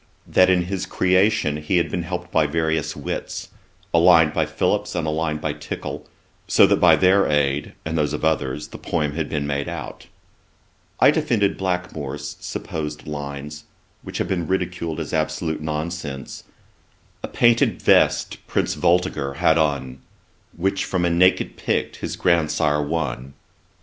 That in his Creation he had been helped by various wits, a line by Phillips and a line by Tickell; so that by their aid, and that of others, the poem had been made out. I defended Blackmore's supposed lines, which have been ridiculed as absolute nonsense: 'A painted vest Prince Voltiger had on, Which from a naked Pict his grandsire won.'